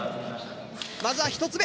まずは１つ目。